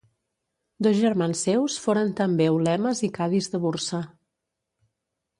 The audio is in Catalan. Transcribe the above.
Dos germans seus foren també ulemes i cadis de Bursa.